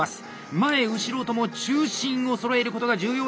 前・後ろとも中心をそろえることが重要であります。